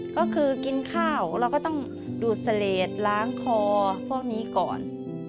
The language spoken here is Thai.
ก็คือกินข้าวเราก็ต้องดูดเสลดล้างคอพวกนี้ก่อน